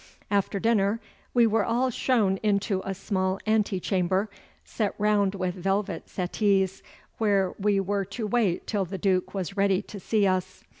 After dinner we were all shown into a small ante chamber, set round with velvet settees, where we were to wait till the Duke was ready to see us.